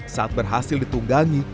saat berhasil ditunggangi